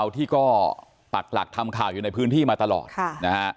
ที่ก็ปักหลักทำข่าวอยู่ในพื้นที่มาตลอดนะฮะ